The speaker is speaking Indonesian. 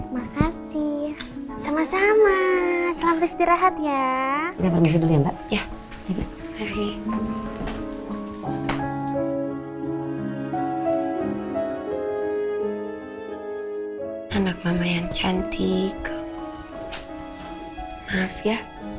makasih sama sama selamat istirahat ya udah dulu ya mbak ya ini anak mama yang cantik maaf ya